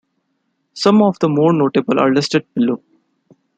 Some of the more notable are listed below.